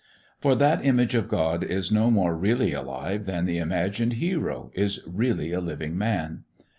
For that image of God is no more really alive than the imagined hero is really a living man.